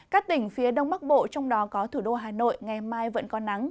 các tỉnh phía đông bắc bộ trong đó có thủ đô hà nội ngày mai vẫn có nắng